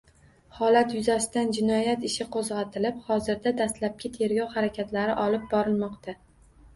Holat yuzasidan jinoyat ishi qo‘zg‘atilib, hozirda dastlabki tergov harakatlari olib borilmoqda